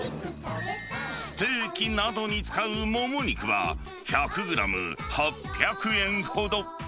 ステーキなどに使うもも肉は、１００グラム８００円ほど。